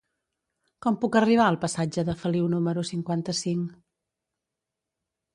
Com puc arribar al passatge de Feliu número cinquanta-cinc?